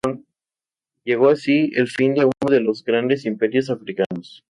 Llegó así el fin de uno de los grandes imperios africanos.